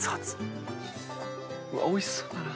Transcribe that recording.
うわっおいしそうだな。